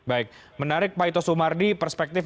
baik menarik pak ito sumardi perspektif